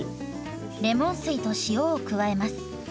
レモン水と塩を加えます。